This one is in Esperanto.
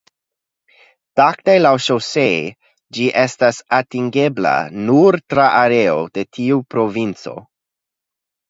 Dakte laŭŝosee ĝi estas atingebla nur tra areo de tiu provinco.